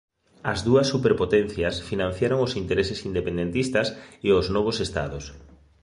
As dúas superpotencias financiaron os intereses independentistas e aos novos Estados.